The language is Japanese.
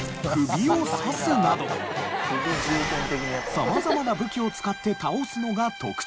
様々な武器を使って倒すのが特徴。